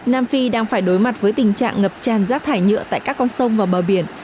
nam phi đang phải đối mặt với tình trạng ngập tràn rác thải nhựa tại các con sông và bờ biển